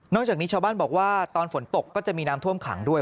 จากนี้ชาวบ้านบอกว่าตอนฝนตกก็จะมีน้ำท่วมขังด้วย